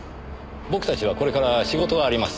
僕たちはこれから仕事があります。